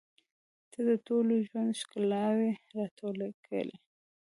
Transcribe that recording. • ته د ټول ژوند ښکلاوې راټولې کړې.